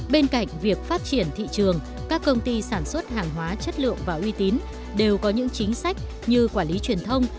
bên cạnh việc phát triển thị trường các công ty sản xuất hàng hóa chất lượng và uy tín đều có những chính sách như quản lý truyền thông